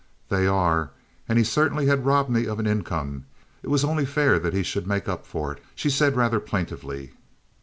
"They are. And he certainly had robbed me of an income. It was only fair that he should make up for it," she said rather plaintively.